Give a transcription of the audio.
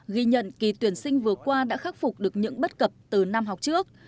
ghi nhận kỳ tuyển sinh vừa qua đã khắc phục được những bất cập từ năm học trước